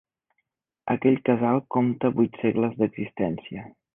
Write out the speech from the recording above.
Aquell casal compta vuit segles d'existència.